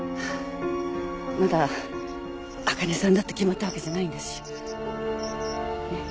まだあかねさんだって決まったわけじゃないんだし。